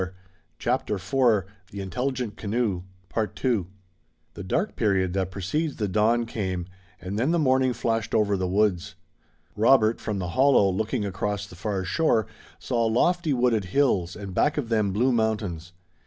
I think we can look for another long rest now." The dark period that precedes the dawn came, and then the morning flashed over the woods. Robert, from the hollow, looking across the far shore, saw lofty, wooded hills and back of them blue mountains.